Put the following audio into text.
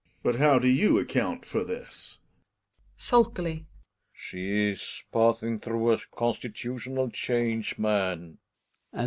But how do you account for this? Relling (sulkily). She is passing through a consti butional change, man.